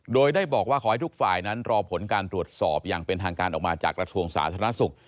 โดยได้บอกว่าขอให้ทุกฝ่ายนั้นรอผลการตรวจสอบอย่างเป็นทางการออกมาจากกระทรวงสาธารณสุข